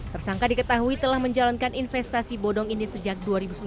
tersangka diketahui telah menjalankan investasi bodong ini sejak dua ribu sembilan belas